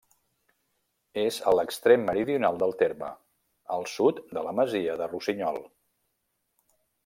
És a l'extrem meridional del terme, al sud de la masia del Rossinyol.